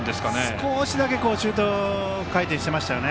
少しだけシュート回転してましたよね。